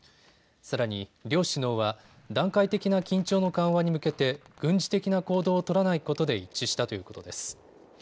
さらに、両首脳は段階的な緊張の緩和に向けて軍事的な行動を取らないことで一致したということです。